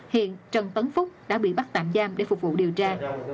hiện trần tấn phúc đã bị bắt tạm giam để phục vụ điều tra